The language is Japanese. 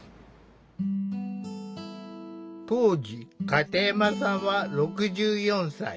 当時片山さんは６４歳。